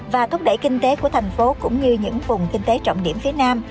và thúc đẩy kinh tế của thành phố cũng như những vùng kinh tế trọng điểm phía nam